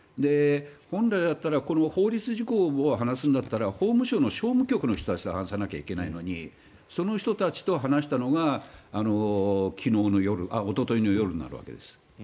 本来だったら法律事項を話すんだったら法務省の商務局の人と話さなきゃいけないのにその人たちと話したのがおとといの夜になるわけです。